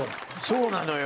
そうなのよ。